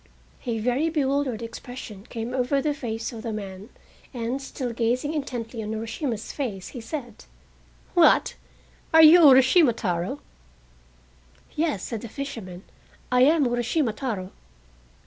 A very bewildered expression came over the face of the man, and, still gazing intently on Urashima's face, he said: "What? Are you Urashima Taro?" "Yes," said the fisherman, "I am Urashima Taro!"